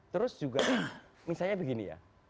terus juga misalnya begini ya